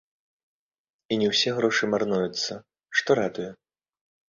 І не ўсе грошы марнуюцца, што радуе.